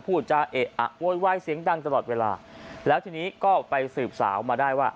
พูดจาเอะอะโวยวายเสียงดังตลอดเวลาแล้วทีนี้ก็ไปสืบสาวมาได้ว่า